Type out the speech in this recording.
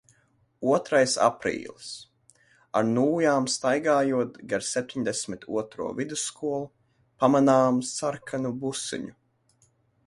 Otrais aprīlis. Ar nūjām staigājot gar septiņdesmit otro vidusskolu, pamanām sarkanu busiņu.